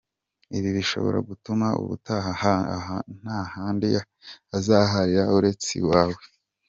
Ibi bishobora gutuma ubutaha nta handi azahahira uretse iwawe.